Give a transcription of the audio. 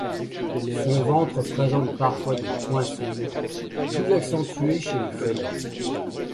Son ventre présente parfois des points sombres, plus accentués chez les femelles.